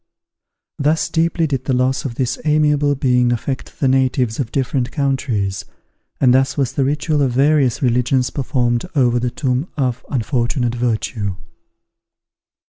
Thus deeply did the loss of this amiable being affect the natives of different countries, and thus was the ritual of various religions performed over the tomb of unfortunate virtue.